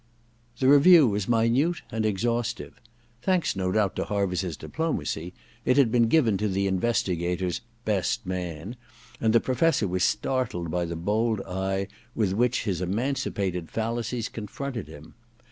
* The review was minute and exhaustive. Thanks no doubt to Harviss's diplomacy, it had been given to the Investigators * best man^* IV THE DESCENT OF MAN 25 and the Professor was startled by the bold eye with which his emancipated fallacies confronted him.